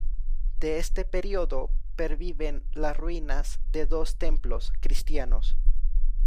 De este período perviven las ruinas de dos templos cristianos.